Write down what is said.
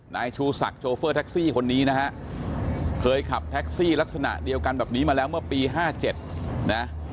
นายชูศักดิ์โชเฟอร์แท็กซี่คนนี้นะฮะเคยขับแท็กซี่ลักษณะเดียวกันแบบนี้มาแล้วเมื่อปี๕๗นะ